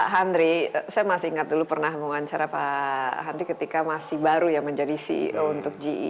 henry saya masih ingat dulu pernah mewawancara pak henry ketika masih baru ya menjadi ceo untuk ge